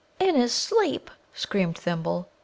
"In his sleep!" screamed Thimble.